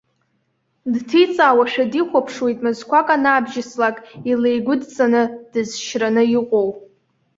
Дҭиҵаауашәа, дихәаԥшуеит, мызқәак анаабжьыслак, илеигәыдҵаны дызшьраны иҟоу.